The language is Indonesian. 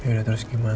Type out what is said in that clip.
dia udah terus gimana